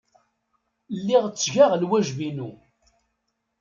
Lliɣ ttgeɣ lwajeb-inu.